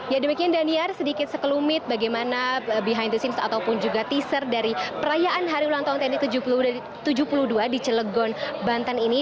ya demikian daniar sedikit sekelumit bagaimana behind the scenes ataupun juga teaser dari perayaan hari ulang tahun tni tujuh puluh dua di celegon banten ini